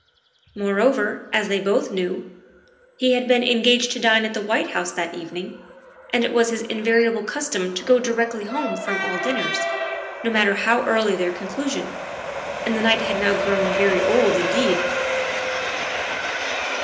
Moreover, as they both knew, he had been en gaged to dine at the White House that evening, and it was his invariable custom to go directly home from all dinners, no matter how early their conclusion, and the night had now grown very old indeed.